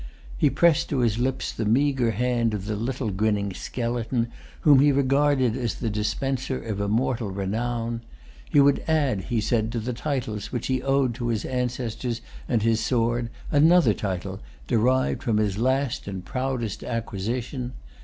He pressed to his lips the meagre hand of the little grinning skeleton, whom he regarded as the dispenser of immortal renown. He would add, he said, to the titles which he owed to his ancestors and his sword, another title, derived from his last and proudest acquisition.